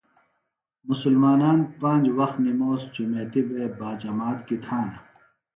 مسلمانان پانج وخت نموس جُمیتی بےۡ باجمات کیۡ تھانہ۔